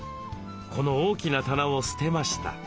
この大きな棚を捨てました。